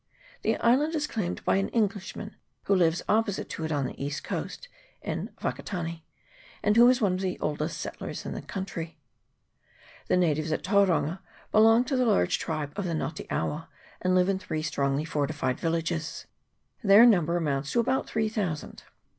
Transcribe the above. The island is claimed by an Englishman, who lives opposite to it on the east coast, in Wakatane, and who is one of the oldest settlers in the country. The natives at Tauranga belong to the large tribe of the Nga te awa, and live in three strongly fortified villages. Their number amounts to about three thousand.